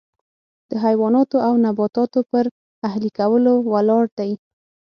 د حیواناتو او نباتاتو پر اهلي کولو ولاړ دی.